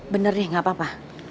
bener deh gak apa apa